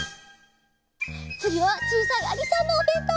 つぎはちいさいありさんのおべんとう。